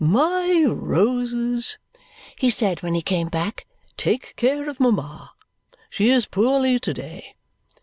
"My roses," he said when he came back, "take care of mama. She is poorly to day.